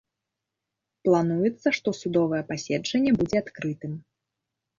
Плануецца, што судовае паседжанне будзе адкрытым.